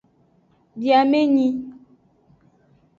Biamenyi.